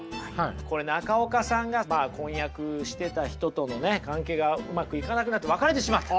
これ中岡さんが婚約してた人との関係がうまくいかなくなって別れてしまった。